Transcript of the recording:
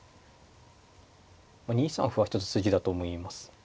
２三歩は一つ筋だと思います。